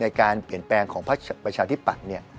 ในการเปลี่ยนแปลงของพักประชาธิปัตย์